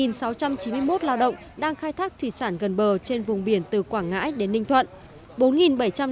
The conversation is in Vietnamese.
ba lao động đang khai thác thủy sản gần bờ trên vùng biển từ quảng ngãi đến ninh thuận